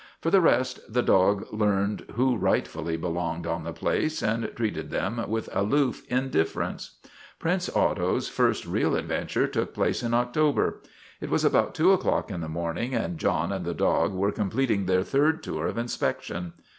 For the rest, the dog learned who rightfully belonged on the place and treated them with aloof indifference. Prince Otto's first real adventure took place in October. It was about two o'clock in the morning STRIKE AT TIVERTON MANOR 139 and John and the dog were completing their third tour of inspection.